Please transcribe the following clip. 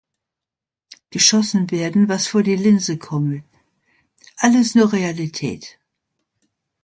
Geschossen werde, was vor die Linse komme: „alles nur Realität“.